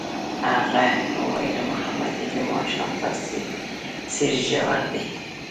هغې وویل محبت یې د ماښام په څېر ژور دی.